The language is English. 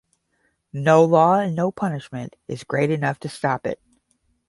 No law and no punishment is great enough to stop it.